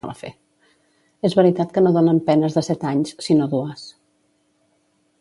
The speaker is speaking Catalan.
És veritat que no donen penes de set anys, sinó dues.